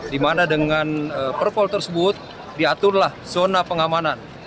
di mana dengan perpol tersebut diaturlah zona pengamanan